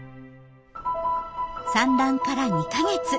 産卵から２か月。